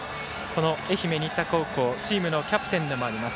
愛媛・新田高校チームのキャプテンでもあります